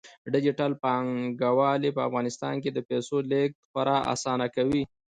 ډیجیټل بانکوالي په افغانستان کې د پیسو لیږد خورا اسانه کوي.